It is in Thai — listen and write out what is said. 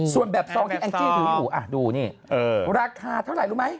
ส่วนแบบซองที่แองจี้ถืออยู่ดูนี่ราคาเท่าไหร่รู้ไหม